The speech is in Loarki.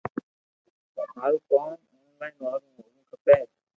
مارو ڪوم اونلائن وارو ھووُہ کپي